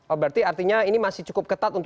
oh berarti artinya ini masih cukup ketat